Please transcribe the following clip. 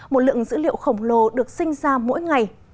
một lượng dữ liệu khổng lồ được sinh ra mỗi ngày